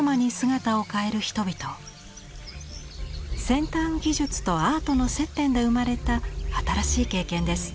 先端技術とアートの接点で生まれた新しい経験です。